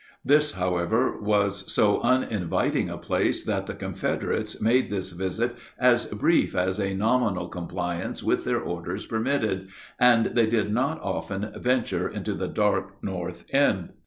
This was, however, so uninviting a place that the Confederates made this visit as brief as a nominal compliance with their orders permitted, and they did not often venture into the dark north end.